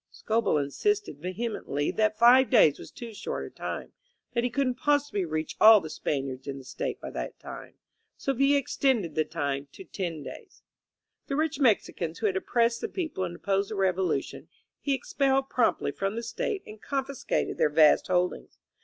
'* Scobell insisted vehemently that five days was too short a time, that he couldn't possibly reach all the Spaniards in the State by that time ; so Villa extended the time to ten days. The rich Mexicans who had oppressed the people and opposed the Revolution, he expelled promptly from the State and confiscated their vast holdings.